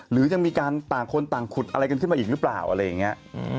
หรือยังมีการต่างคนต่างขุดอะไรกันขึ้นมาอีกหรือเปล่าอะไรอย่างนี้